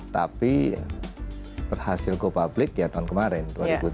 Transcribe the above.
tapi berhasil go public ya tahun kemarin dua ribu tujuh belas